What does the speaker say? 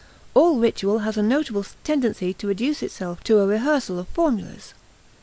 All ritual has a notable tendency to reduce itself to a rehearsal of formulas.